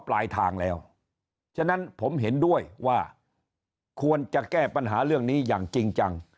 ปลายทางแล้วฉะนั้นผมเห็นด้วยว่าควรจะแก้ปัญหาเรื่องนี้อย่างจริงจัง